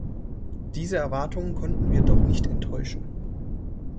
Diese Erwartungen konnten wir doch nicht enttäuschen.